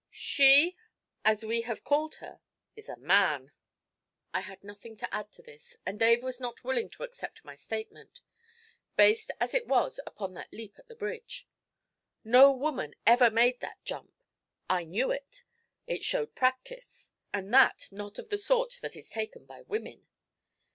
'She, as we have called her, is a man.' I had nothing to add to this, and Dave was not willing to accept my statement, based as it was upon that leap at the bridge. 'No woman ever made that jump; I knew it. It showed practice, and that not of the sort that is taken by women.'